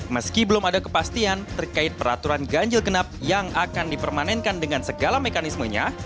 meski belum ada kepastian terkait peraturan ganjil genap yang akan dipermanenkan dengan segala mekanismenya